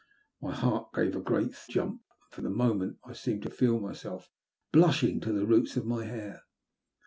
My heart gave a great jump, and for the moment I seemed to feel myself blushing to the roots of my hair.